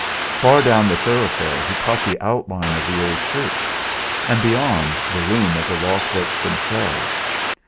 Far down the thoroughfare he caught the outline of the old church, and beyond, the loom of the Law Courts themselves.